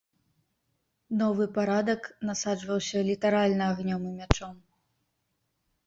Новы парадак насаджваўся літаральна агнём і мячом.